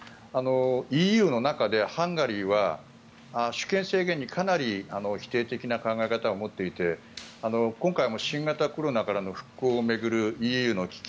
ＥＵの中でハンガリーは私権制限にかなり否定的な考え方を持っていて今回も新型コロナからの復興を巡るＥＵの基金